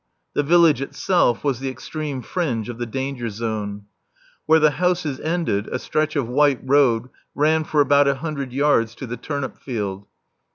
The village itself was the extreme fringe of the danger zone. Where the houses ended, a stretch of white road ran up for about [?] a hundred yards to the turnip field.